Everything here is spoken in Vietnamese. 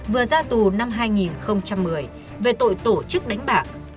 vừa ra tù năm hai nghìn một mươi về tội tổ chức đánh bạc